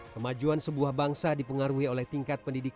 kemajuan sebuah bangsa dipengaruhi oleh tingkat pendidikan